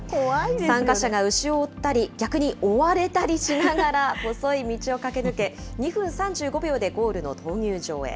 参加者が牛を追ったり、逆に追われたりしながら、細い道を駆け抜け、２分３５秒でゴールの闘牛場へ。